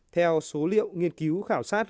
theo số liệu nghiên cứu khảo sát